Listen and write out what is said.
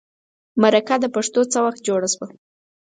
مرکه د پښتو څه وخت جوړه شوه.